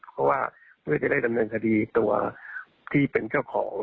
เพราะว่าเพื่อจะได้ดำเนินคดีตัวที่เป็นเจ้าของ